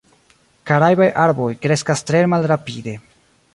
Karajbaj arboj kreskas tre malrapide.